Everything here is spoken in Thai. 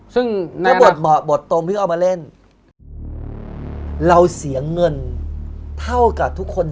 ซึ่งแนน่ะ